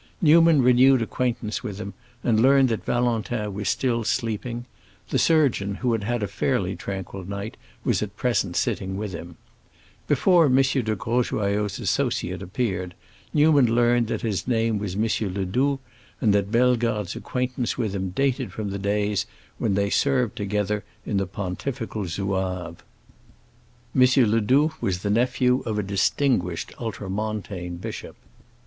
Newman renewed acquaintance with him, and learned that Valentin was still sleeping; the surgeon, who had had a fairly tranquil night, was at present sitting with him. Before M. de Grosjoyaux's associate reappeared, Newman learned that his name was M. Ledoux, and that Bellegarde's acquaintance with him dated from the days when they served together in the Pontifical Zouaves. M. Ledoux was the nephew of a distinguished Ultramontane bishop.